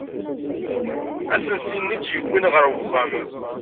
Asensi-nni tt-yewwin ɣer uxxam.